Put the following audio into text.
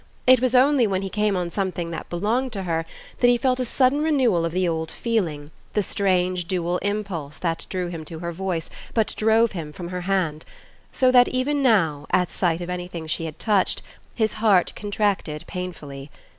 It was only when he came on something that belonged to her that he felt a sudden renewal of the old feeling, the strange dual impulse that drew him to her voice but drove him from her hand, so that even now, at sight of anything she had touched, his heart contracted painfully.